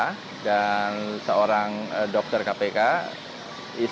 istri dari novel baswedan yang juga dianggap sebagai penyidik kpk yang juga dianggap sebagai penyidik kpk